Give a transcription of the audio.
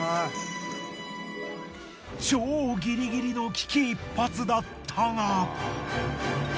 超ギリギリの危機一髪だったが。